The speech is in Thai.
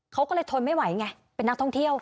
เขาก็เลยทนไม่ไหวไงเป็นนักท่องเที่ยว